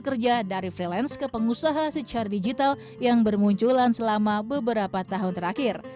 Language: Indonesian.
kerja dari freelance ke pengusaha secara digital yang bermunculan selama beberapa tahun terakhir